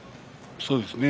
そうですね。